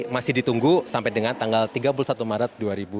masih ditunggu sampai dengan tanggal tiga puluh satu maret dua ribu dua puluh